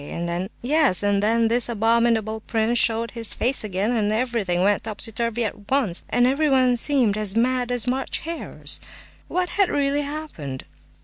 And then—Yes, and then—this abominable prince showed his face again, and everything went topsy turvy at once, and everyone seemed as mad as March hares. What had really happened?